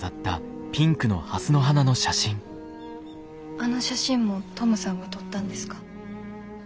あの写真もトムさんが撮ったんですか？